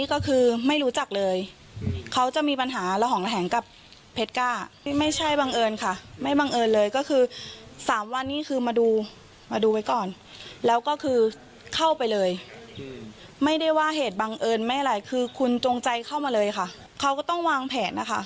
ก็แค่คุณตรงใจเข้ามาเลยค่ะเขาก็ต้องวางแผนนะคะ